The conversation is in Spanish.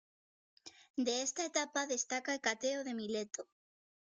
De esta etapa destaca Hecateo de Mileto.